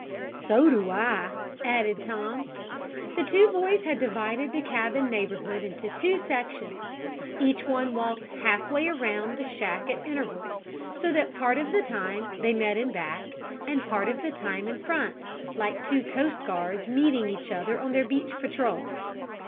"So do I," added Tom. The two boys had divided the cabin neighborhood into two sections. Each one walked half way around the shack at intervals, so that part of the time they met in back, and part of the time in front, like two coast guards meeting each other on their beach patrols.